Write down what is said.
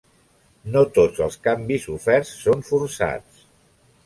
No tots els canvis oferts són forçats.